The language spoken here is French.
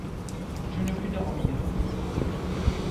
Je ne pus dormir.